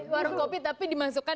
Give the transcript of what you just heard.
warung kopi tapi dimasukkan